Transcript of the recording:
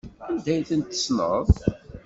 Anda ay tent-tessneḍ?